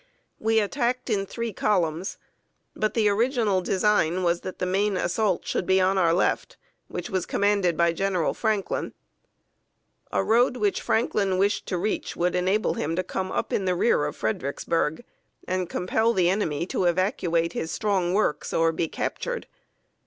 We attacked in three columns; but the original design was that the main assault should be on our left, which was commanded by General Franklin. A road which Franklin wished to reach would enable him to come up in the rear of Fredericksburg, and compel the enemy to evacuate his strong works, or be captured.